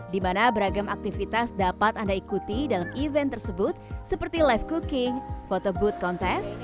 di mana beragam aktivitas dapat anda ikuti dalam event tersebut seperti live cooking photo booth contest